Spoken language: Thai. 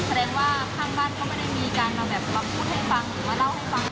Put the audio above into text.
แสดงว่าข้างบ้านก็ไม่ได้มีการมาแบบมาพูดให้ฟังหรือมาเล่าให้ฟัง